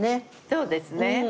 そうですね。